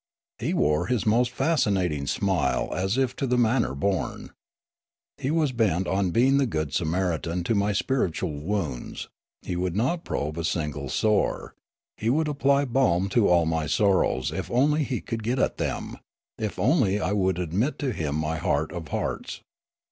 He wore his most fascinating smile as if to the manner born. He was bent on being the good Samaritan to my spiritual wounds; he would not probe a single sore ; he would apply balm to all my sorrows if only he could get at them, if only I would admit him to my heart of hearts.